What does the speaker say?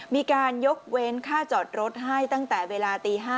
มีการยกเว้นค่าจอดรถให้ตั้งแต่เวลาตี๕